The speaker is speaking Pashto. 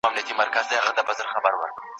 تاته پدغه قرآن کي وحيي کوو.